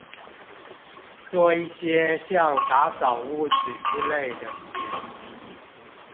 做一些像打掃屋子之類的事